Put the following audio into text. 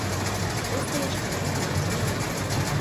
Je zde ještě jedna malá změna.